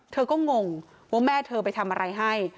เธอก็งงว่าแม่เธอไปทำอะไรให้